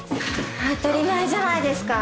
当たり前じゃないですか。